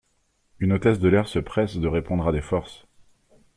Une hôtesse de l'air se presse de répondre à des forces.